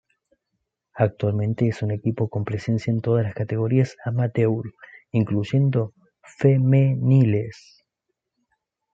Actualmente es un equipo con presencia en todas la categorías amateur, incluyendo femeniles.